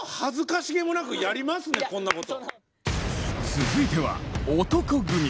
続いては男闘呼組！